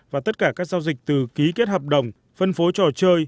và tất cả các giao dịch từ ký kết hợp đồng phân phối trò chơi